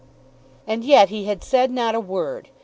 And yet he had said not a word.